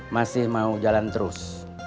masih mau jalan terus